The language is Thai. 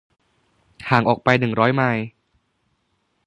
ห่างออกไปหนึ่งร้อยไมล์